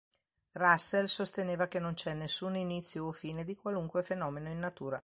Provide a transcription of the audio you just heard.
Russell sosteneva che non c'è nessun inizio o fine di qualunque fenomeno in natura.